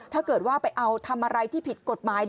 ถ้าเกิดว่าไปเอาทำอะไรที่ผิดกฎหมาย